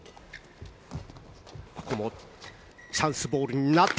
ここもチャンスボールになった。